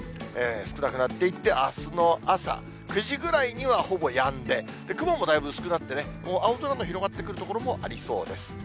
少なくなっていって、あすの朝９時ぐらいにはほぼやんで、雲もだいぶ薄くなって、もう青空の広がってくる所もありそうです。